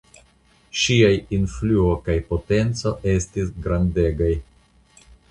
Ŝiaj influo kaj potenco estis grandegaj.